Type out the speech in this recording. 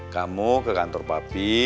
kamu ke kantor pak fi